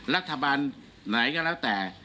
รัฐบาลไหนก็แล้วแต่